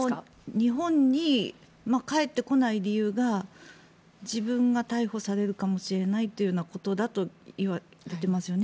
日本に帰ってこない理由が自分が逮捕されるかもしれないというようなことだといわれてますよね。